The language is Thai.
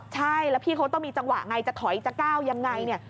ใช่แล้วพี่เขาต้องมีจังหวะไงจะถอยจะก้าวยังไงเนี่ย